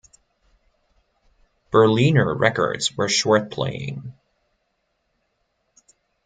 Berliner records were short-playing.